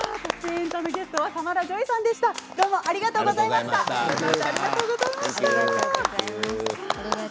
エンタ」のゲストはサマラ・ジョイさんでした。